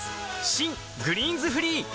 新「グリーンズフリー」